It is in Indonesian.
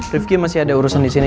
rifki masih ada urusan disini